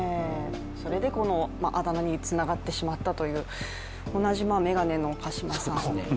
それでこのあだ名につながってしまったという同じメガネの鹿島さん。